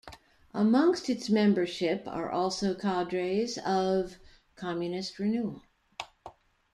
Amongst its membership are also cadres of Communist Renewal.